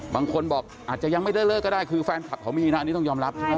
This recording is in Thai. บางคนบอกอาจจะยังไม่ได้เลิกก็ได้คือแฟนคลับเขามีนะอันนี้ต้องยอมรับใช่ไหม